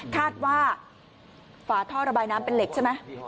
คาดว่าฝาท่อระบายน้ำเป็นเหล็กใช่ไหม